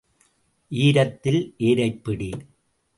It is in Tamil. ஈரத்தில் ஏரைப் பிடி.